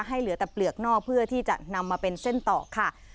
เหลือแต่เปลือกนอกเพื่อที่จะนำมาเป็นเส้นตอกค่ะ